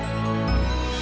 buat penulisan ini